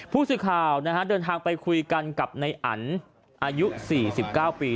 ผู้สื่อข่าวเดินทางไปคุยกันกับในอันอายุ๔๙ปี